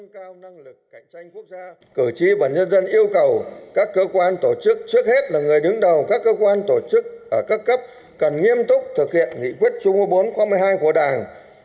cảnh tranh quốc gia cử tri và nhân dân yêu cầu các cơ quan tổ chức trước hết là người đứng đầu các cơ quan tổ chức ở các cấp cần nghiêm túc thực hiện nghị quyết chung mô bốn hai của đảng